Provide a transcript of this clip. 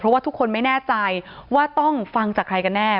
เพราะว่าทุกคนไม่แน่ใจว่าต้องฟังจากใครกันแน่